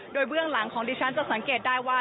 โดยเบื้องหลังของดิฉันจะสังเกตได้ว่า